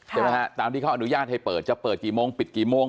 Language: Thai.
ใช่ไหมฮะตามที่เขาอนุญาตให้เปิดจะเปิดกี่โมงปิดกี่โมง